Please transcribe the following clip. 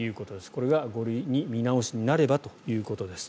これが５類に見直しになればということです。